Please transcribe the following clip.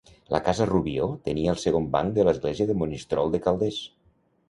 La casa Rubió tenia el segon banc de l'església de Monistrol de Calders.